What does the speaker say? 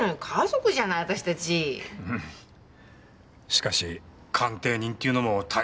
しかし鑑定人っていうのも大変な仕事だな。